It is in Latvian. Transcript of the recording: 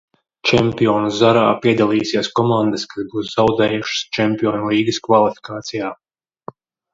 Čempionu zarā piedalīsies komandas, kas būs zaudējušas Čempionu līgas kvalifikācijā.